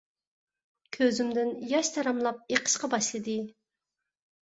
كۆزۈمدىن ياش تاراملاپ ئېقىشقا باشلىدى.